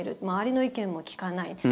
周りの意見も聞かない。